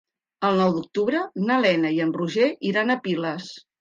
El nou d'octubre na Lena i en Roger iran a Piles.